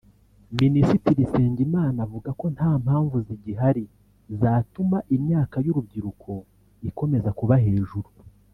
Minisitiri Nsengimana avuga ko nta mpamvu zigihari zatuma imyaka y’urubyiruko ikomeza kuba hejuru